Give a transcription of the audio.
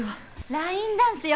ラインダンスよ。